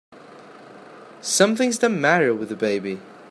Something's the matter with the baby!